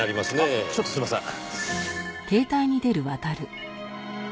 ちょっとすいません。